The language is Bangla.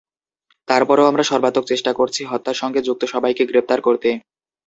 তারপরও আমরা সর্বাত্মক চেষ্টা করছি হত্যার সঙ্গে যুক্ত সবাইকে গ্রেপ্তার করতে।